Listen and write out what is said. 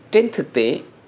trên thực tế